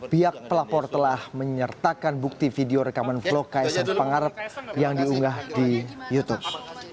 pihak pelapor telah menyertakan bukti video rekaman vlog ksn pangarep yang diunggah di youtube